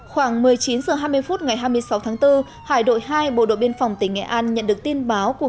khoảng một mươi chín h hai mươi phút ngày hai mươi sáu tháng bốn hải đội hai bộ đội biên phòng tỉnh nghệ an nhận được tin báo của